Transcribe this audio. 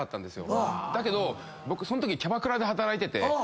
だけど僕そんときキャバクラで働いてて。